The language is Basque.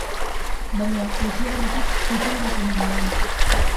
Baina, utzi aurretik, jipoi bat eman nion.